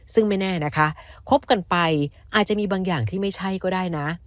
ซึ่งไม่แน่นะคะคบกันไปอาจจะมีบางอย่างที่ไม่ใช่ก็ได้นะ